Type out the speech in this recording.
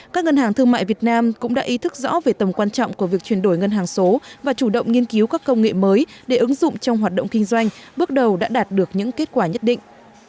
các ngân hàng thương mại việt nam cũng đã ý thức rõ về tầm quan trọng của việc chuyển đổi ngân hàng số và chủ động nghiên cứu các công nghệ mới để ứng dụng trong hoạt động kinh doanh bước đầu đã đạt được những kết quả nhất định